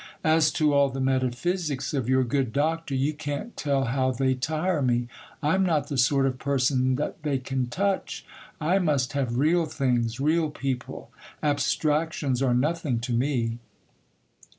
As to all the metaphysics of your good Doctor, you can't tell how they tire me. I'm not the sort of person that they can touch. I must have real things,—real people; abstractions are nothing to me.